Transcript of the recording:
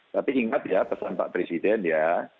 tapi ingat ya pesan pak presiden ya